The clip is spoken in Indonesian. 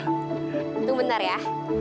tunggu bentar ya